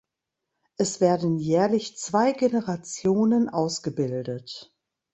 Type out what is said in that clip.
Es werden jährlich zwei Generationen ausgebildet.